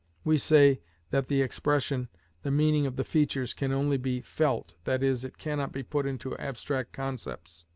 We say that the expression, the meaning of the features, can only be felt, that is, it cannot be put into abstract concepts.